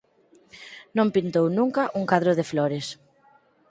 Non pintou nunca un cadro de flores».